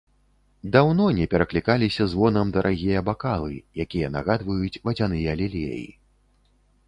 Даўно не пераклікаліся звонам дарагія бакалы, якія нагадваюць вадзяныя лілеі.